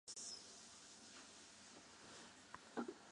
ふでばこ